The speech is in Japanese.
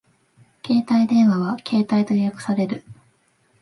携帯電話はケータイと略される